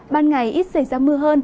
ban ngày ít xảy ra mưa hơn